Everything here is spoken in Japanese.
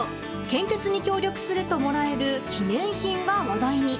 献血に協力するともらえる記念品が話題に。